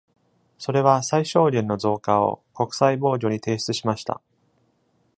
それは最小限の増加を国際防御に提出しました。